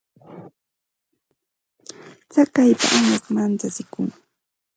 Tsakaypa añash manchachikun.